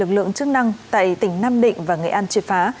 được lượng chức năng tại tỉnh nam định và nghệ an truyệt phá